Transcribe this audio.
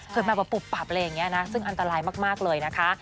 เกิดมาแบบปุบปับอะไรอย่างนี้นะซึ่งอันตรายมากเลยนะคะ